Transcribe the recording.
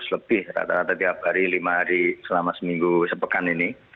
seratus lebih rata rata tiap hari lima hari selama seminggu sepekan ini